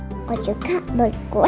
aku juga beli kue